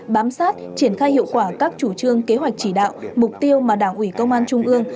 bám sát triển khai hiệu quả các chủ trương kế hoạch chỉ đạo mục tiêu mà đảng ủy công an trung ương